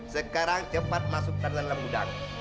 sekarang cepat masuk tarzan lembudang